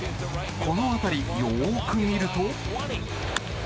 この当たり、よく見ると。